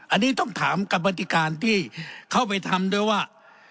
อันนี้ต้องถามกรรมติการที่เข้าไปทำด้วยว่า